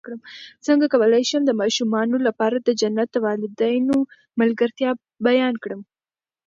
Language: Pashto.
څنګه کولی شم د ماشومانو لپاره د جنت د والدینو ملګرتیا بیان کړم